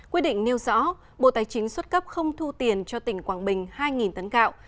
quyết định nêu rõ bộ tài chính xuất cấp không thu tiền cho tỉnh quảng bình hai tấn gạo